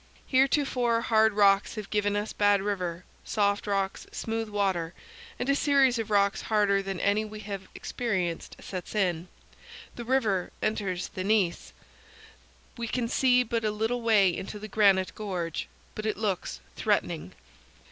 Heretofore hard rocks have given us bad river; soft rocks, smooth water; and a series of rocks harder than any we have experienced sets in. The river enters the gneiss! We can see but a little way into the granite gorge, but it looks threatening.